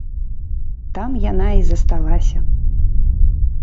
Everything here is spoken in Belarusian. Там яна і засталася.